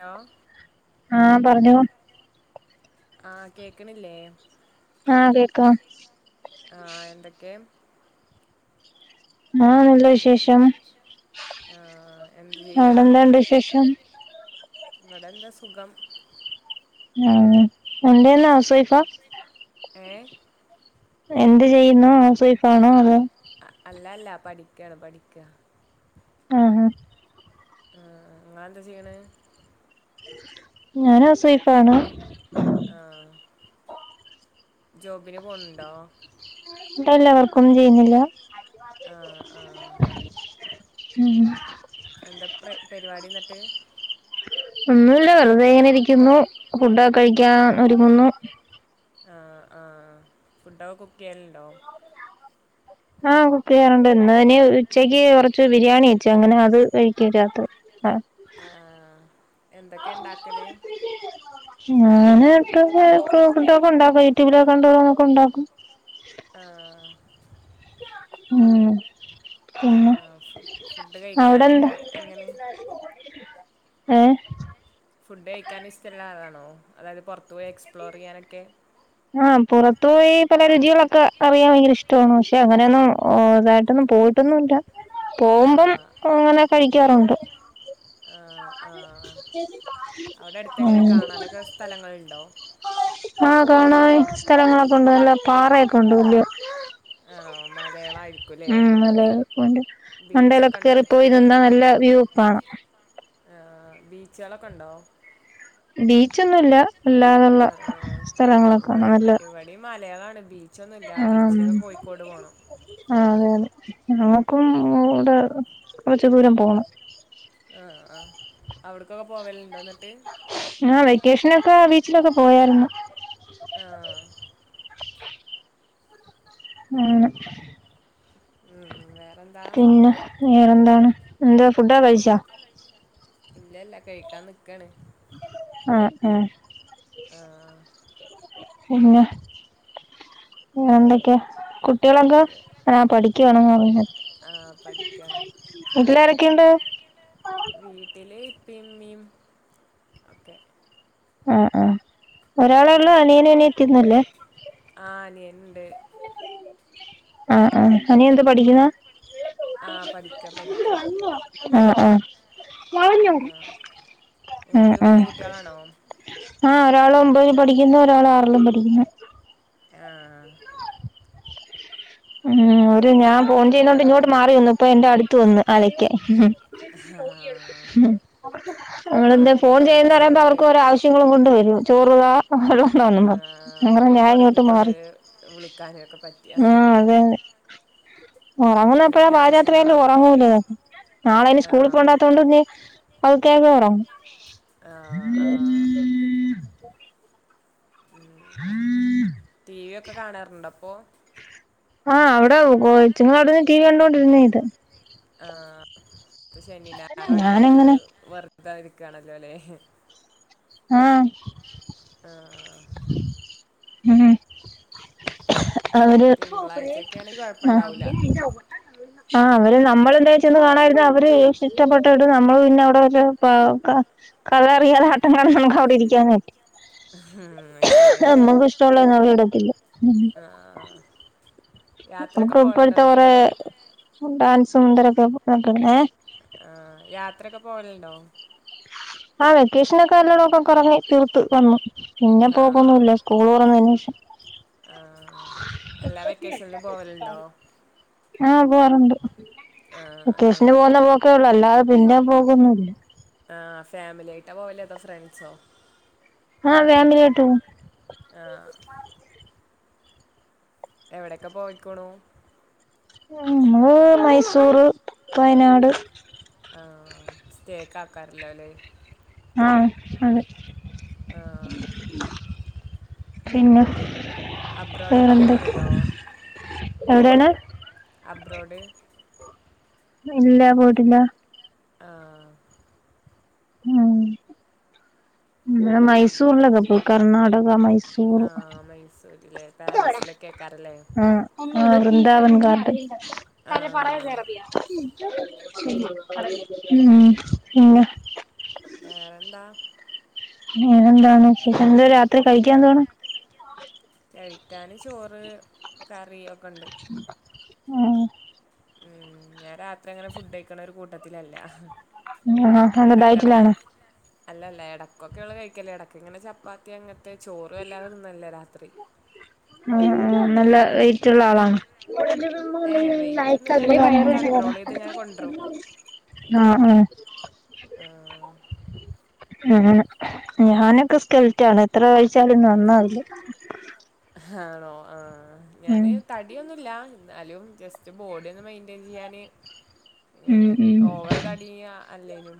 Hello ആ പറഞ്ഞോ ആ കേക്കണില്ലേ ആ കേക്കാം ആ എന്തൊക്കെ ആ നല്ല ഇഷ് [unintelligible] വിശേഷം ആ എന്ത് അവിടെന്താണ്ട് വിശേഷം ഇവിടെന്താ സുഖം ആ ഉണ്ടന്ന [unintelligible] വൈഫ ഏ എന്ത് ചെയ്യുന്നു ഹൗസ് വൈഫ് ആണോ അതോ അല്ലെ ല്ല പഠിക്കാണ് പഠിക്ക ആ ആ ആ നിങ്ങളെന്താ ചെയ്യണ ഞൻ ഹൗസ് വൈഫ്‌ ആണ് ആ ജോബിന് പോണൊണ്ടോ ഇൻഡ്ലാ വർക് ഒന്നും ചെയ്യുന്നില്ല ആ ആ ഉം എന്താ പ്ര പരിപാടി എന്നിട്ട് ഒന്നുമല്ല വെറുതെ ഇങ്ങനെ ഇരിക്കുന്നു ഫുഡൊക്കെ കഴിക്കാൻ ഒരുങ്ങുന്നു ആ ആ ഫുഡൊക്കെ കുക്ക് ചെയ്യാലുണ്ടോ ആഹ കുക്ക് ചെയ്യാറുണ്ട് ഇന്ന് ഇനി ഉച്ചക്ക് കൊറച്ച് ബിരിയാണി വച്ചു അങ്ങനെ അത് കഴിക്കരാരാത്രി ആ ആഹ എന്തൊക്കെയ ഉണ്ടാക്കല് ഞനോ [unintelligible] ക്കെ ഉണ്ടാക്കും യൂട്യൂബിലൊക്കെ ഉണ്ട നമക്ക ഉണ്ടാക്കും ആ ഉം പിന്നെ ആ ഫു ഫുഡ് അവിടെ കഴിക്കാന് എങ്ങനെ ഏ ഫുഡ് കഴിക്കാനൻ ഇഷ്ടമല്ലാതാണോ അതായത് പുറത്തു പോയി എക്സ്പ്ലോർയ്യാനൊക്കെ ആ പുറത്തു പോയി പല രുചികളൊക്കെ അറിയാൻ ഭയങ്കര ഇഷ്ടമാണ് പക്ഷെ അങ്ങനെയൊന്നും ഇതായിട്ടൊന്ന പോയി ഇട്ടോന്നുംല്ല പോവുമ്പം ആഹ് അങ്ങനെ കഴിക്കാറുണ്ട്. ആ ആ അവിടെ അടുത്ത് എങ്ങനെ കാണാനൊക്കെ സ്ഥലങ്ങൾഉണ്ടോ ആ കാണ സ്ഥലങ്ങളൊക്കെ ഉണ്ട് നല്ല പാറയൊക്കെ ഉണ്ട് വല്യ ആണോ മലകളായിരിക്കുംല്ലേ ഉം നല്ലണ്ട് ബീച്ചൊക്കെ മണ്ടയിലൊക്കെ ഉണ്ടോ അടുത്ത് കേയറിപ്പോയി കൂടി നിന്നാ നല്ല വ്യൂകാണാം ആ ബീച്ചകളൊക്കെ ഉണ്ടോ ബീച്ചൊന്നുംഇല്ല അല്ലാതുള്ള ആഹ് ആഹ് സ്ഥലങ്ങളൊക്കാണ് നല്ല ബീച്ചൊന്നുംഇല്ല ഇല്ല ആം ബീച്ചിലക്കെ കോഴിക്കോട് പോണം ഞങ്ങക്കും ഇവിടെ കൊറച്ച് ദൂരം പോണം ആഹ് ആഹ് അവിടക്കൊക്കെ പോവലുണ്ടോ എന്നിട്ട് ആ വെക്കേഷനൊക്കെ വീട്ടിലൊക്കെ പോയേരുന്നു. ആ ആണ് ഉം വേറെന്താ പിന്നെ വേറെന്താണ്. എന്താ ഫുഡൊക്കെ കഴിച്ചാ. ഇല്ല ഇല്ല കഴിക്കാൻ നിക്കാണ്. ആ ആ ആഹ് പിന്നെ എന്തൊക്കെയാ കു കുട്ടികളൊക്ക ആ പഠിക്കുവാണന്നു പറഞ്ഞു. ആഹ് പഠിക്കാണ് ക്കേണ്ട് വീട്ടില് ഇപ്പിം ഇമ്മീം ഒക്കെ ആ ആ ഒരാളെ ഉള്ളൂ. അനിയനും അനിയത്തി ഒന്നൂല്ലേ. ആഹ് അനിയനുണ്ട് ആ ആ അനിയനെന്ത് പഠിക്കുന്ന ആ പഠിക്ക പഠിക്ക ആ ആ ആ നിങ്ങൾക്ക് ആ വല്യ കുട്ടികളാണോ ആ ഒരാൾ ഒമ്പതി പഠിക്കുന്നു ഒരാള് ആറിലും പഠിക്കുന്നു. ആ [unintelligible] ആ അവര് ആഹ് ഞാൻ ഫോൺ പഠിക്കണ ചെയ്യണോണ്ട് കുട്ടികളാല്ലേ ഇങ്ങോട്ട് മാറി വന്നു ഇപ്പൊ എന്റെ അടുത്ത് വന്നു അലക്കാൻ. ആഹ് നമ്മൾ ആഹ് എന്താ ഫോൺ കേക്കണ്ട് ചെയ്യാന്ന് പറയുമ്പോ സൗണ്ട് അവർക്ക് ഓരോ ആവശ്യങ്ങളും കൊണ്ട് വരും ചോറ് താ [unintelligible] വന്ന് ആഹ് അങ്ങനെ ഞാൻ ഓരൊക്കെ ഇങ്ങോട്ട് ഉറങ്ങിയിട്ടുള്ള മാറി. വിളിക്കാനൊക്കെ പറ്റിയ ആ ഏ ഉറങ്ങുന്ന എപ്പോഴാ അല്ലെങ്കിൽ പാതിരാത്രിയായാലും ആവശ്യങ്ങളാവും ഉറങ്ങൂല. നാളെ അയ്ന് സ്കൂളിൽ ആഹ് പോണ്ടാത്തോണ്ട് ഇനി കേങ്ങേറും ആഹ് ആഹ് ഉം ടി വി ഒക്കെ കാണാറുണ്ട് അപ്പൊ. ആ അവിടെ കൊച്ചുങ്ങളവിടന്ന് ടി വി കണ്ടൊണ്ടിരുന്നേ ഇത്. ആ ഇപ്പ ശനി ഞായറ് ആയോണ്ട് ഞാനങ്ങനെ വ റുതാ ഇരിക്കാണല്ലോലെ. ആ [unintelligible] അവര് തിങ്കളാഴ്ചയൊക്കെ ആണെങ്കിൽ ആ കുഴപ്പമുണ്ടാവൂല ആ അവ ര് നമ്മൾ എന്താ ചെന്ന് കാണാൻ ഇരുന്നാ അവര് ഇഷ്ടപ്പെട്ടട്ട് നമ്മൾ പിന്നെ അവിടെ വെല്ലോം പ ക ക ചെറിയ ഒരാട്ടങ്ങളാണ് നമുക്കവിടെ ഇരിക്കാനായിട്ട്. ഉം, അത് ശരിയാ നമ്മക്ക് ഇഷ്ടമുള്ളതൊന്നും അവള് എടത്തില്ല. ആ യാത്രയൊക്കെ നമുക്ക് പോകലുണ്ടോ ഇപ്പഴത്തെ എന്നിട്ട് കൊറേ നിങ്ങള് ഡാൻസും [unintelligible] ഏ ആ യാത്രയൊക്കെ പോവലുണ്ടോ. ആ വെക്കേഷനൊക്കെ എല്ലോടൊക്കെ കറങ്ങി തീർത്ത് വന്നു. പിന്നെ ആ പോക്കൊന്നൂല്ല സ്കൂള് തൊറന്നതിന് ശേഷം. ആ എല്ലാ വെക്കേഷനിലും പോവലുണ്ടോ? ആ പോവാറുണ്ട്. ആ ആ വെക്കേഷന് പോകുന്ന പോക്കേ ഉള്ളു അല്ലാതെ പിന്നേ പോക്കൊന്നൂ ആ ഫാമിലിയായിട്ടാ പോവല് അതോ ഫ്രണ്ട്സോ? ആ ഫ്യാമിലിയായിട്ട് പോ ആ എവിടെക്കെ പോയിക്കോണു നമ്മള് മൈസൂർ വയനാട് ആ സ്റ്റേക്ക് ആക്കാറല്ലോ അല്ലേ ആ അതെ ആ പിന്നെ അബ്രോഡൊക്കെ വേറെന്തൊക്കെ പോയിട്ടുണ്ടോ? എവിടെയാണ് അബ്രോഡ്. ഇല്ല പോയിട്ടില്ല. ആ ആ മൈസൂർലക്കെ പോയി കർണടക മൈസൂർ ആ മൈസൂരിലെ പാലസിലൊക്കെ കേക്കാറില്ലേ ആ വൃന്ദാവൻഗാർഡൻ. ആഹ് ഉം പിന്നെ. വേറെന്താ വേറെന്താണ് വിശേഷം എന്തുവാ രാത്രി കഴിക്കാനെന്തുവാണ് കഴിക്കാന് ചോറ് കറി ഒക്കെ ഒണ്ട് ആ ഉം ഞാൻ രാത്രി അങ്ങനെ ഫുഡ് കഴിക്കണ ഒരു കൂട്ടത്തിലല്ല ആ അന്തതാ എടക്കടെ ഡയറ്റിലാണാ അല്ലല്ല. ഇടക്കൊക്കെ ഒള്ള് കഴിക്കല് ഇടക്കിങ്ങനെ ചപ്പാത്തി അങ്ങനത്തെ ചോറും വല്ലാതെ തിന്നലില്ല രാത്രി. ആ ആ നല്ല വെയിറ്റുള്ള ആളാണ് ഏഹ് വെയിറ്റ് ഒന്നുമില്ല എന്നാലും ഒന്ന് കൺട്രോൾ ചെയ്ത് ഇങ്ങനെ കൊണ്ടരും [unintelligible] ആ ആ ആ ഉം ഞാനൊക്കെ സ്കെലറ്റാണ് എത്ര കഴിച്ചാലും നന്നാവില്ല ആണോ ആ ഉം ഞാന് തടിയൊന്നുമില്ല എന്നാലും ജസ്റ്റ് ബോഡിയൊന്ന് മെയിൻറ്റയിൻ ചെയ്യാന് ഉം ഇങ്ങനെ ഉം ഓവറ് തടി അല്ലേനും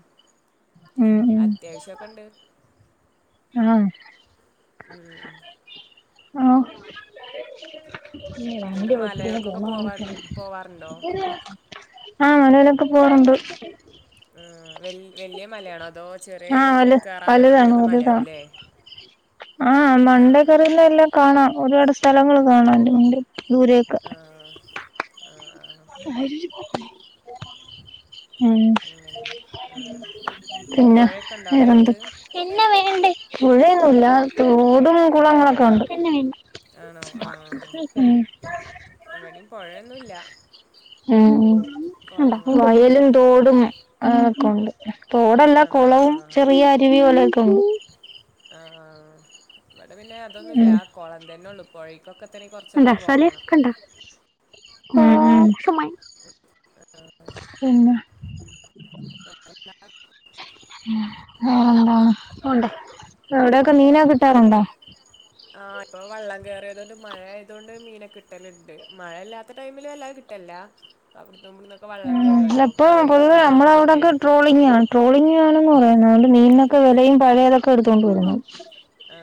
ഉം ഉം അത്യാവശ്യമൊക്കെ ഇണ്ട്. ആ ഉം ഓ [unintelligible] എന്നിട്ട് മലകൾക്കൊക്കെ പോവാൻ പോവാറുണ്ടോ? ആ അനുനൊക്കെ പൊന്നോണ്ട് ആ വല്യ മലയാണോ അതോ ചെറിയ ആഹ് വല് കേറാൻ പറ്റണ അങ്ങനത്തെ മലയാകുല്ലേ ആഹ മണ്ടെ കേറി നിന്ന എല്ലാം കാണാം. ഒരുപാട് സ്ഥലങ്ങള് കാണാം അയിന്റെ മണ്ടേ ദൂരേക്ക് ആ ആ ആ ഉം അങ്ങനെ ആ. പിന്നെ പൊഴയൊക്കെ ഉണ്ടോ അവിടെ അടുത്ത്? വേറെന്ത് പുഴയൊന്നുല്ല തോടും കുളങ്ങളൊക്കെ ഒണ്ട് ആണോ ആ ഇവിടെയും പൊഴയൊന്നുല്ല ഉം ഉം കൊളങ്ങളൊക്കെ തന്നെ. വയലും തോടും ഒക്കെ ഒണ്ട് തോടല്ല ആണോ? കുളവും ആ. ചെറിയ അരുവി പോലൊക്കെയൊണ്ട് ആഹ് ഇവിടെ പിന്നെ അതൊന്നുമില്ല ഉം കൊളം തന്നെ ഒള്ളു പൊഴക്കൊക്കെ തന്നെ കുറച്ചങ്ങോട്ട് പോവണം. ഉം ഉം പിന്നെ [unintelligible] ഉം വേറെന്താ അവിടെയൊക്കെ മീനൊക്കെ കിട്ടാറുണ്ടോ? ആ ഇപ്പൊ വള്ളം കയറിയതുകൊണ്ട് മഴയായതുകൊണ്ട് മീനൊക്ക കിട്ടലുണ്ട് മഴ അല്ലാത്ത ടൈമില് വല്ലാതെ കിട്ടലില്ല. ഇല്ലാ ഉം ഇപ്പൊ പൊതുവെ തോട്ട്ക്കൊക്കെ നമ്മളവിടൊക്കെ ട്രോളിങ്ങാണ്. ട്രോളിങ് ന്ന് പറയുന്ന് അതൊണ്ട് മീനിനൊക്കെ വെലയും പഴേതൊക്കെ എടുത്തോണ്ട് വരുന്ന്. ആ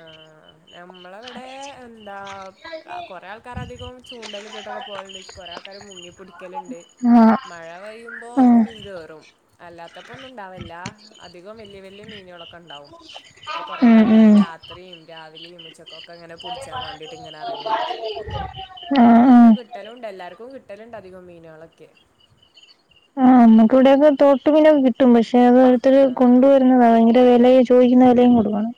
നമ്മളിവിടെ എന്താ കൊറെേ ആൾക്കാരധികം ചൂണ്ടയില് ഇട്ടിട്ടൊക്കെ പോകലുണ്ട്. കൊറെ ആൾക്കാ മുങ്ങിപ്പൊടിക്കലുണ്ട് ആഹ് മഴ പെയ്യുമ്പോ ആഹ് മീൻ കേറും. അല്ലാത്തപ്പോ ഒന്നും ഇണ്ടാവില്ല അധികം വലിയ വലിയ മീനുകളൊക്കെ ഉണ്ടാാവും ഇപ്പോൾ കുറേ ഉം ആൾക്കാർ ഉം രാത്രിയും രാവിലെയും ഉച്ചക്കൊക്കെ ഇങ്ങനെ പടിച്ചാൻ വേണ്ടിട്ട് ഇങ്ങനെ ഇറങ്ങിരിക്കും ആഹ് നല്ല ആഹ് കിട്ടലും ഉണ്ട് എല്ലാർക്കും കി കട്ടലിണ്ട് അധികം മീനുകളൊക്കെ ആ നമുക്ക ഇവിടെയൊക്കെ തോട്ടു പിന്നെൊക്കെ കിട്ടും പക്ഷേ അത അടുത്തൊരു ആഹ് കൊണ്ടുവരുന്നതാണ് ഭയങ്കര വില ചോദിക്കുന്ന വിലയും കൊടുക്കണം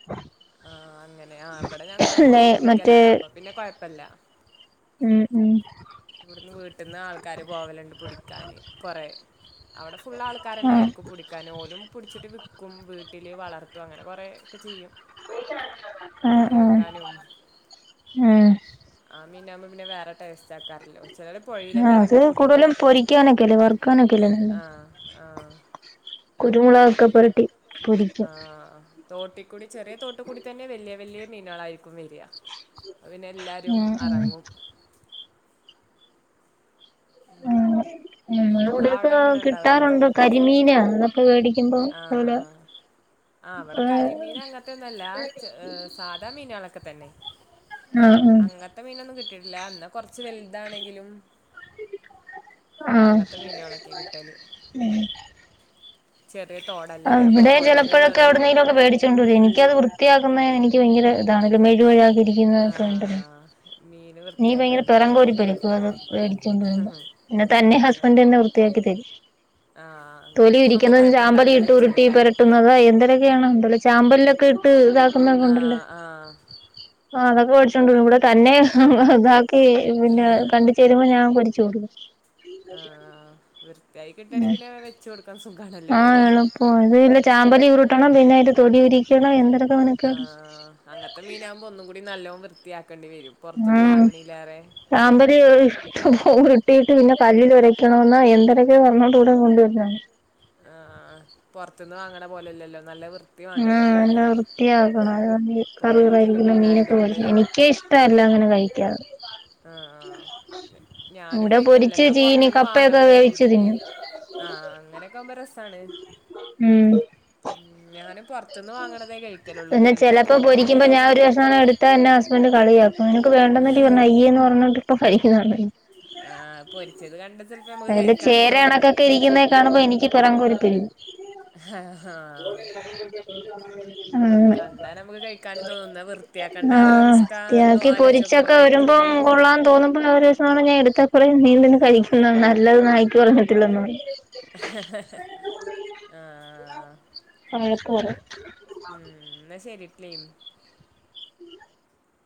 ആഹ അങ്ങനെ ആ ഇവിടെ ഞങ്ങൾ ല്ലേ പോയി മറ്റേ പിടിക്കലാണ് അപ്പൊ പിന്നെ കൊഴപ്പില്ല ഉം ഉം ഇവിടുന്ന് വീട്ടന്ന് ആൾക്കാര് പോവലുണ്ട് പിടിക്കാന് കൊറ അവിടെ ഫുള് ആൾക്കാരന്നെ ആഹ് ആയിരിക്കും പിടിക്കാൻ ഓലും പിടിച്ചിട്ട് ക്കും വീട്ടിൽ വളർത്തും അങ്ങനെ കുറേ ഒക്കെ ചെയ്യും ആഹ് കറി ഉഹ വെക്കാനും ഉഹ ആ മീന്നാകുമ്പ പിന്നെ വേറെ ടെസ്റ്റ്‌ ആ കറല്ലോ ചിലത് പുഴൽ തന്നെ ആഹ് അത് ഇറങ്ങി പുടിക്കും കൂടുതലും ഉം പൊരിക്കാനൊക്കെല്ലേ വറുക്കാനൊക്കെല്ലേ ആഹ് ആഹ് [inaudible] കുരുമുളകക്കെ പുരട്ടി പൊരിക്കും ആഹ തോട്ടിക്കൂടി ചെറിയ തോട്ട കൂടി തന്നെ വലിയ വല്യ മീനാളായിരിക്കും വരിയാ പിന്നെ എല്ലാരും ഉം ഉം അറങ്ങും ആഹ് ഉ ഇവിടെൊക്ക നിങ്ങളവിടെ എങ്ങനെ ഉണ്ടാവലുണ്ടോ കിട്ടാറുണ്ട് കരിമീന അതൊക്കെ മേടിക്കുമ്പോ അല ആഹ് ആഹ് അവിടെ കരിമീൻ അങ്ങത്തെ ഒന്നല്ല സാധാ മീനുകളള ആഹ് അങ്ങത്തെ മീന ട്ടില്ലന്നാ കൊറച്ച് വലുതാണെങ്കിലും ആഹ് അങ്ങനത്തെ മീനുകളളൊക്കെ കിട്ടല് ചെറിയ തോടല്ലേ അപ്പൊ വിടെ പുഴീന്ന് ചലഴക്ക കേറുമ്പോ എവിടെന്നേലും ക്കെ വേടിച്ചണ്ടരും എനിക്കത് വൃത്തിയാക്ക എനിക്ക് ഭയങ്ക ഇതണ മെഴുഴ ഇതാ ണ്ട ആഹ് മീന് നീ ഭയങ്കര പിറ വൃത്തിയാക്കണതില്ലേ കോടി പ എടുക്ക അത് മേടിച്ചൊണ്ട വരുമ്പോ ആഹ് എന്നന്ന തന്നെ ഹസ്ബൻഡ് എന്നെ വൃത്തിയാക്കി തേരി ആഹ് അങ്ങനെയൊക്കെുമ്പ കൊഴപ്പ ഇണ്ടാവൂല്ല ഇട്ട് ഉരുട്ടി പരട്ടുന്നത് എന്തരൊക്കെയല്ലോ ചാമ്പലിലൊക്കെ ഇട്ട് ഇട്ട് ണ്ടല്ലേ ആഹ് ആഹ് ആ അതൊക്കെ പഠിച്ചണ്ട ഇവിടെ തന്നെ പിന്നെ കണ്ട ചേരുമ്പോ ഞാൻ പൊരിച്ചുഡും ടാ പിന്ന വച്ച് ഉടക്ക ആഹ് എളുപ്പം അതല ചാമ്പലി ഉരുട്ടണം പിന്നെ അതി തൊടി ഉരിക്കണം എന്ത ആ അങ്ങനത്തെ മീനാകുമ്പോ ഒന്നും കൂടി നല്ലോണം വൃത്തിയാക്കി ഉം അമ്പറി കിട്ടീട്ട് പിന്നെ കല്ലിൽ ഒരയ്ക്കണന്ന് എന്തരൊക്കെ വന്നോട്ട കൂടെ കൊണ്ടുവരുന്നാണ് ആ പുറത്തന്ന് വാങ്ങണ പോലെല്ലല്ലോ നല്ല വൃത്തി ആഹ വേണ്ടിവരും ആ നല്ല മീനിന് വൃത്തിയാക്കണം അത പുഴീത്തൊക്കെ കറിറായിരിക്കുന്ന മീനൊക്കെ പഠ മീനായതുകൊണ്ട് എനിക്കേ ഇഷ്ടമല്ല അങ്ങനെ കഴിക്കാെ ആഹ ഞാനും ഇവിടെ കഴിക്കല പൊരിച്ച് ഞാൻ ചീനി പൊറത്തുന്ന് കപ്പയൊക്കെ വാങ്ങണതേ വേവിച്ച് തിന്നും ആഹ അങ്ങനെയൊക്കെ ആകുമ്പോ രസാണ് ഉം ഉം ഞാനും പുറത്തുന്ന് വാങ്ങണതേ കഴിക്കലുള്ളൂ പി ഇങ്ങനത്തെ ചെപ്പോ പൊരിക്കുമ്പോ തോട്ടുകൂടില്ല ഞാൻ ഒന്നും ഒരു കഷ്ണം എടുത്താ എന്നന്റെ ഹസ്ബൻഡ് കളിയ അപ്പ നിനക്ക് വേണ്ടന്നല്ല പറഞ്ഞ അയ്യ എന്ന് പറഞ്ഞിട്ട ഇപ്പൊ പരിക്കിക്കുന്നുണ്ട ആഹ പൊരിച്ചത് കണ്ട ചിലപ്പോ നമുക്ക് അതില് കഴിക്കാനും ചേര തോന്നും ഇണക്കൊക്കെ ഇരിക്കുന്നതേ കാണുമ്പോ എനിക്ക് പിറം കോ ഒരുപ്പരി ആഹ് ഹഹ ആഹ് കണ്ടാ നമുക്ക് കഴിക്കാും തോന്നുന്ന വൃത്തിയാക്കേണ്ട ആ ഒരു ആഹ് റിസ്ക്ാ ആലോചിു നോക്കുമ്പോ കഴിക്കൂല തോന്നുമ്പ ഒരു ദിസങ്ങാണം ഞാ എടുത്താപ്പറേം നീന്തിന് കഴിക്കുന്നത് നല്ലത് നായിക്ക് പറഞ്ഞിട്ടില്ലന്ന് പറയും. ആഹ് വഴക്ക് പറയും. ഉം എന്നാ ശെരി ട്ടിലിമ്